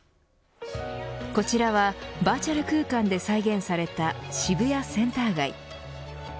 こちらはバーチャル空間で再現された渋谷センター街。